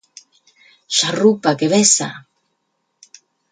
Xarrupa, que vessa!